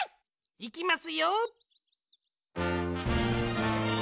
いきますよ！